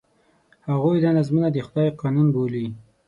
هغوی دا نظمونه د خدای قانون بولي.